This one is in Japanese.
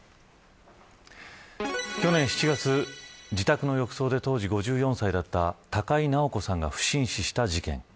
去年７月、自宅の浴槽で当時５４歳だった高井直子さんが不審死した事件。